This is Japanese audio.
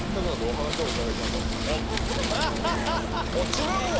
違うわ。